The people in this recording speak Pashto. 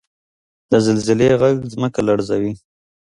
• د زلزلې ږغ ځمکه لړزوي.